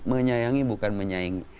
menyayangi bukan menyaingi